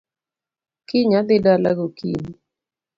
Kiny adhi dala gokinyi